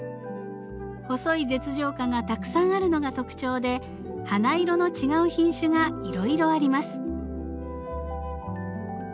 細い舌状花がたくさんあるのが特徴で花色の違う品種がいろいろあります。